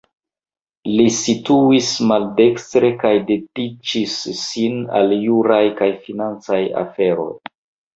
Li situis maldekstre kaj dediĉis sin al juraj kaj financaj aferoj.